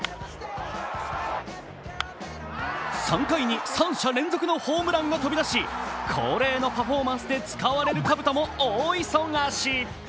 ３回に三者連続のホームランが飛び出し恒例のパフォーマンスで使われるかぶとも大忙し。